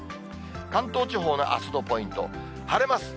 関東地方のあすのポイント、晴れます。